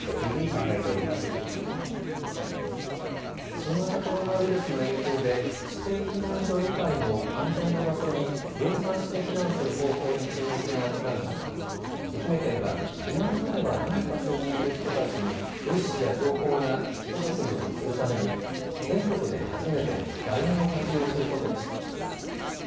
新型コロナウイルスの影響で指定避難所以外の安全な場所に分散して避難する方法に注目が集まる中愛媛県は避難所ではない場所にいる人たちに物資や情報が行き届くようにするために全国で初めてＬＩＮＥを活用することにしています。